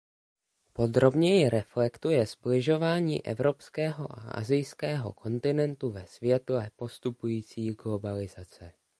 Podrobněji reflektuje sbližování evropského a asijského kontinentu ve světle postupující globalizace.